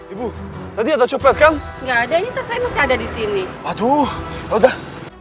ibu tadi ada cepet kan nggak ada ini saya masih ada di sini aduh udah